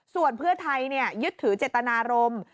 ส่วนเพื่อไทยยึดถือเจตนารมณ์